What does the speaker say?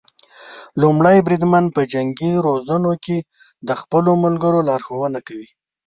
لومړی بریدمن په جنګي روزنو کې د خپلو ملګرو لارښونه کوي.